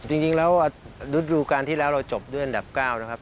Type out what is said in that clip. จริงแล้วฤดูการที่แล้วเราจบด้วยอันดับ๙นะครับ